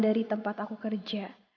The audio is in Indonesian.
dari tempat aku kerja